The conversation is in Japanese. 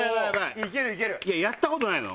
いややった事ないのよ。